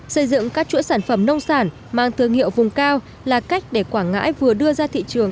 xây dựng các chuỗi sản phẩm nông sản mang thương hiệu vùng cao là cách để quảng ngãi vừa đưa ra thị trường